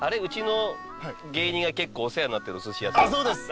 そうです。